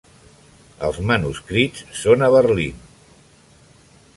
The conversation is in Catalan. Els manuscrits són a Berlín.